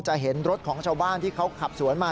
เห็นรถของชาวบ้านที่เขาขับสวนมา